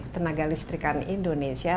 tenaga listrikan indonesia